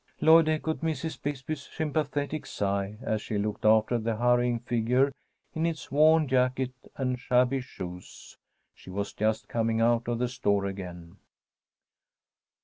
Lloyd echoed Mrs. Bisbee's sympathetic sigh, as she looked after the hurrying figure in its worn jacket and shabby shoes. She was just coming out of the store again.